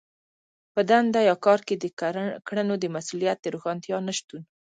په دنده يا کار کې د کړنو د مسوليت د روښانتيا نشتون.